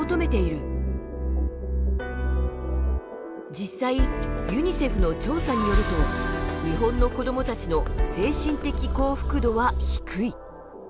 実際ユニセフの調査によると日本の子どもたちの精神的幸福度は低い。